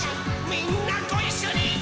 「みんなごいっしょにー！」